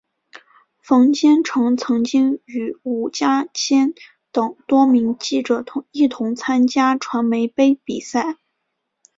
冯坚成曾经与伍家谦等多位记者一同参加传媒杯比赛。